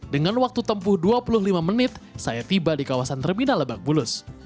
dengan waktu tempuh dua puluh lima menit saya tiba di kawasan terminal lebak bulus